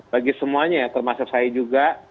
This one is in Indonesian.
bagi semuanya termasuk saya juga